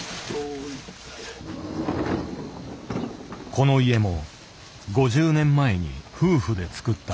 この家も５０年前に夫婦で造った。